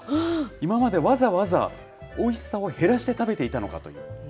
今までわざわざおいしさを減らして食べていたのかという。